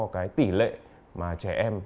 cái tỷ lệ mà trẻ em